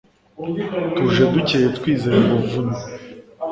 tuje dukeye twizeye ubuvunyi